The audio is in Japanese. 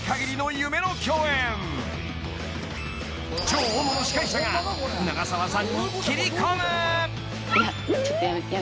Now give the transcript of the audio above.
［超大物司会者が長澤さんに切り込む］